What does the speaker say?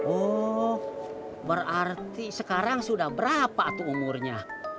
oh berarti sekarang sudah berapa tuh umurnya